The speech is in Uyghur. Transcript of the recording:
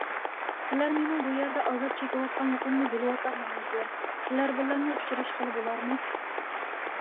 سىلەر مېنىڭ بۇ يەردە ئازاب چېكىۋاتقانلىقىمنى بىلىۋاتامدىغانسىلەر؟ سىلەر بىلەنمۇ ئۇچراشقىلى بولارمۇ؟